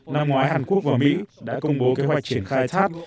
năm ngoái hàn quốc và mỹ đã công bố kế hoạch triển khai thác